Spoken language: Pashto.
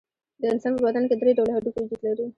د انسان په بدن کې درې ډوله هډوکي وجود لري.